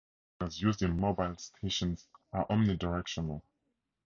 Most antennas used in mobile stations are omnidirectional.